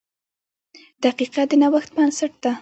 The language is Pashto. • دقیقه د نوښت بنسټ ده.